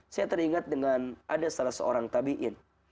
saya teringat dengan ada salah seorang tabiin